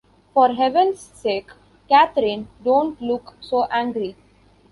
For heaven’s sake, Catherine, don’t look so angry!